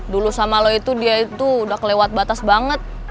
dulu sama lo itu dia itu udah kelewat batas banget